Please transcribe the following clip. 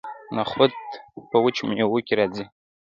نخود په وچو میوو کې راځي.